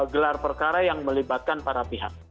gelar perkara yang melibatkan para pihak